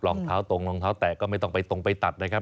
รองเท้าตรงรองเท้าแตกก็ไม่ต้องไปตรงไปตัดนะครับ